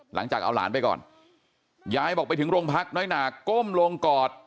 หลังจากเอาหลานไปก่อนยายบอกไปถึงโรงพักน้อยหนาก้มลงกอด